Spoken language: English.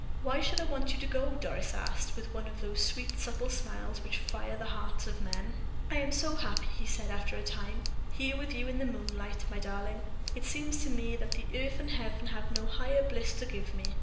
"Why should I want you to go?" Doris asked, with one of those sweet, subtle smiles which fire the hearts of men. "I am so happy," he said, after a time, "here with you in the moonlight, my darling; it seems to me that earth and heaven have no higher bliss to give me.